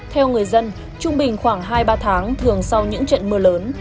theo người dân trung bình khoảng hai ba tháng thường sau những trận mưa lớn